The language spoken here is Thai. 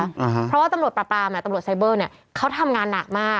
เพราะว่าตำรวจปราบปรามอ่ะตำรวจไซเบอร์เนี้ยเขาทำงานหนักมาก